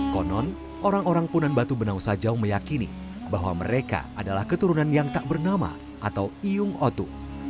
konon orang orang punan batu benau sajau meyakini bahwa mereka adalah keturunan yang tak bernama atau iyung otu